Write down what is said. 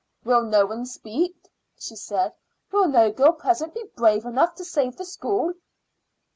"Will no one speak?" she said. "Will no girl present be brave enough to save the school?"